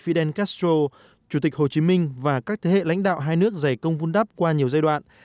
fidel castro chủ tịch hồ chí minh và các thế hệ lãnh đạo hai nước dày công vun đắp qua nhiều giai đoạn